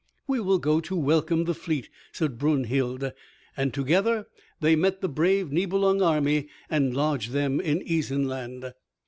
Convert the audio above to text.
"We will go to welcome the fleet," said Brunhild, and together they met the brave Nibelung army and lodged them in Isenland.